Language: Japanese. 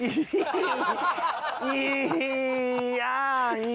いい。